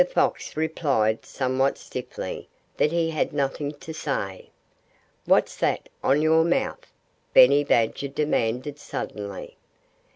Fox replied somewhat stiffly that he had nothing to say. "What's that on your mouth?" Benny Badger demanded suddenly.